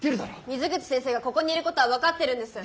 水口先生がここにいることは分かってるんです。